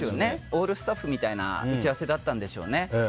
オールスタッフみたいな打ち合わせだったんでしょうね。